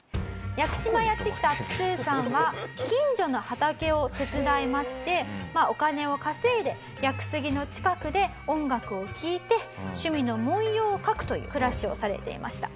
屋久島へやって来たアプスーさんは近所の畑を手伝いましてお金を稼いで屋久杉の近くで音楽を聴いて趣味の文様を描くという暮らしをされていました。